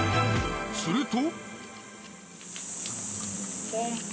すると。